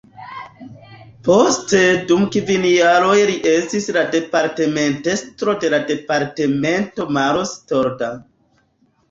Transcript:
Poste dum kvin jaroj li estis la departementestro de la departemento Maros-Torda.